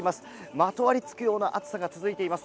まとわりつくような暑さが続いています。